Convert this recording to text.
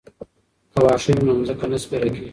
که واښه وي نو ځمکه نه سپیره کیږي.